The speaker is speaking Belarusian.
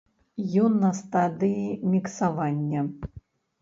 Ён на стадыі міксавання.